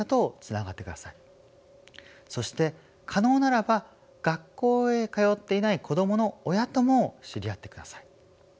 そして可能ならば学校へ通っていない子どもの親とも知り合ってください。